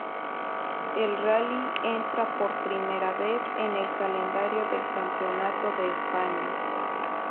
El rally entra por primera vez en el calendario del campeonato de España.